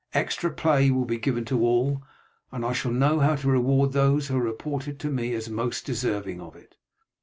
Extra pay will be given to all, and I shall know how to reward those who are reported to me as most deserving of it."